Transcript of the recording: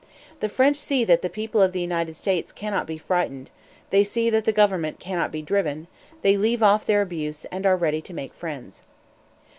The French see that the people of the United States cannot be frightened; they see that the government cannot be driven; they leave off their abuse, and are ready to make friends.